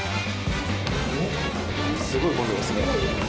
すごい混んでいますね。